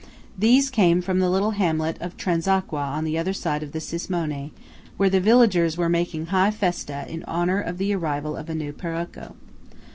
These came from the little hamlet of Transacqua on the other side of the Cismone, where the villagers were making high festa in honour of the arrival of a new Paroco.